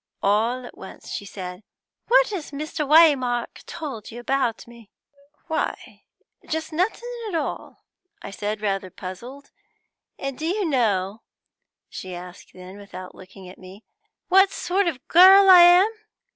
All at once she said, 'What has Mr. Waymark told you about me?' 'Why, just nothing at all,' I said, rather puzzled. 'And do you know,' she asked then, without looking at me, 'what sort of a girl I am?'